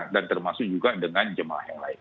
dan termasuk juga dengan jemaah yang lain